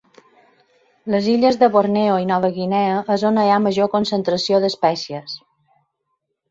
Les illes de Borneo i Nova Guinea és on hi ha major concentració d'espècies.